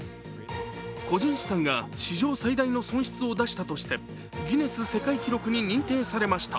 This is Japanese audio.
個人資産が史上最大の損失を出したとしてギネス世界記録に認定されました。